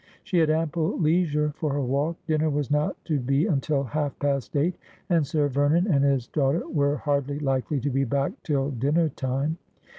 She had ample leisure for her walk. Dinner was not to be until half past eight, and Sir Vernon and his daughter were hardly likely to be back till dinner time.